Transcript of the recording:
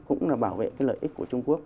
cũng là bảo vệ cái lợi ích của trung quốc